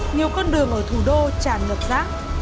nhiều con đường ở thủ đô tràn ngập rác